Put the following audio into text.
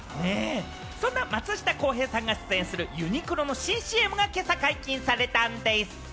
そんな松下洸平さんが出演するユニクロの新ＣＭが今朝解禁されたんでぃす。